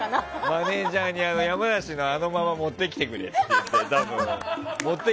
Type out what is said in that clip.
マネジャーに山梨のあのまま持ってきてくれって言って。